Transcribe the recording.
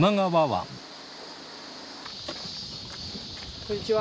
こんにちは。